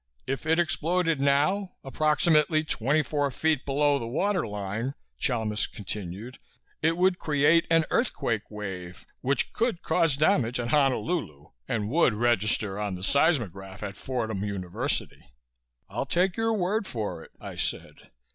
"If it exploded now, approximately twenty four feet below the water line," Chalmis continued, "it would create an earthquake wave which could cause damage at Honolulu and would register on the seismograph at Fordham University." "I'll take your word for it," I said.